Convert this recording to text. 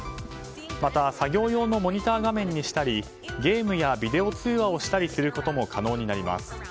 また、作業用のモニター画面にしたりゲームやビデオ通話をしたりすることも可能になります。